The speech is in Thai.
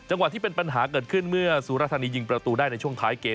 ที่เป็นปัญหาเกิดขึ้นเมื่อสุรธานียิงประตูได้ในช่วงท้ายเกม